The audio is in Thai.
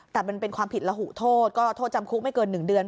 แต่มันเป็นความผิดระหูโทษก็โทษจำคุกไม่เกิน๑เดือน